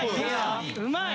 うまい！